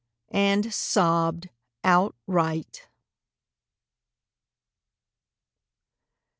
And Sobbed Outright.